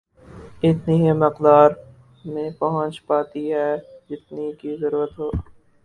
اتنی ہی مقدار میں پہنچ پاتی ہے جتنی کہ ضرورت ہو